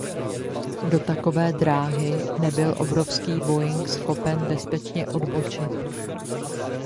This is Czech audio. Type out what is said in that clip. Do takové dráhy nebyl obrovský Boeing schopen bezpečně odbočit.